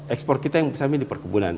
ekspor kita yang besar ini di perkebunan